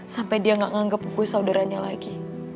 sampai dia gak nganggep gue saudaranya lagi